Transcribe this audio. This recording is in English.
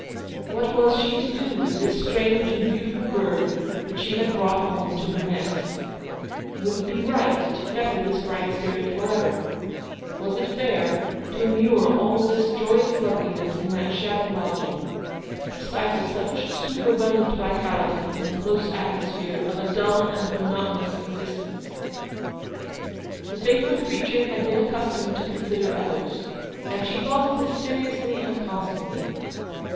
\That was she to do with this strange and beautiful bird which she had brought home to her nest ? Would it be right to fetter this bright spirit for ever ? Was it fair to immure all this joyous loveliness in that shabby lodging ; to stifle such superabundant vitality in the close atmosphere of a dull and monotonous existence ? 206 The faithful creature had been accustomed to consider others, and she thought of this seriously and constantly.